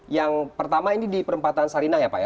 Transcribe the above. yang pertama ini di perempatan sarinah ya pak ya